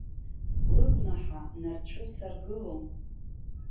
Лыгәнаҳа нарцәы саргылом.